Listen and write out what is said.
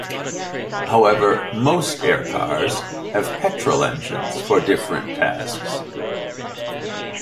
However, most air cars have petrol engines for different tasks.